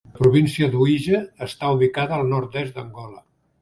La província d'Uige està ubicada al nord-est d'Angola.